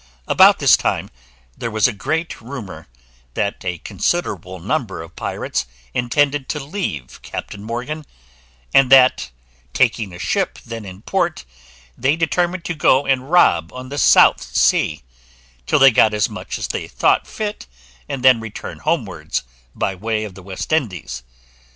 About this time there was a great rumour, that a considerable number of pirates intended to leave Captain Morgan; and that, taking a ship then in port, they determined to go and rob on the South Sea, till they had got as much as they thought fit, and then return homewards, by way of the East Indies.